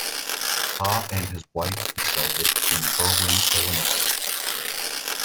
Ha and his wife Lisa live in Berwyn, Illinois.